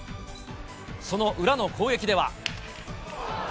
その裏の攻撃では。